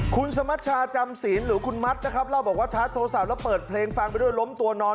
คุณสมัชชาจำศีลหรือคุณมัดนะครับเล่าบอกว่าชาร์จโทรศัพท์แล้วเปิดเพลงฟังไปด้วยล้มตัวนอน